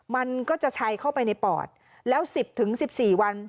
มันก็จะชัยเข้าไปในปอดแล้ว๑๐๑๔วัน